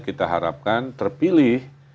kita harapkan terpilih